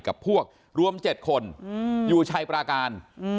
กับพวกรวม๗คนอยู่ชัยปราการ